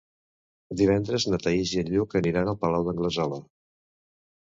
Divendres na Thaís i en Lluc aniran al Palau d'Anglesola.